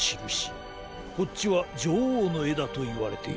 こっちはじょおうのえだといわれている。